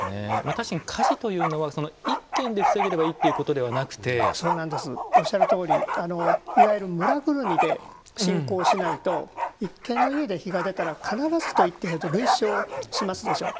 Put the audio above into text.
確かに火事というのは１軒で防げればいいおっしゃるとおりいわゆる村ぐるみで信仰をしないと１軒の家で火が出たら必ずといっていい程類焼しますでしょう。